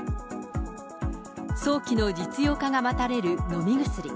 早期の実用化が待たれる飲み薬。